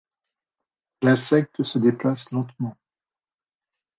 L'insecte se déplace lentement.